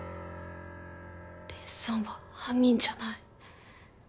蓮さんは犯人じゃない。